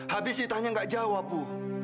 habis ditanya nggak jawab bu